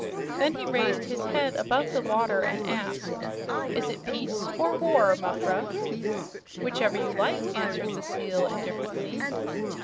Then he raised his head above the water and asked: "Is it peace or war, Muffruff?" "Whichever you like," answered the Seal indifferently.